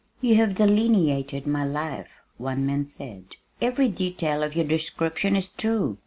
"You have delineated my life," one man said. "Every detail of your description is true.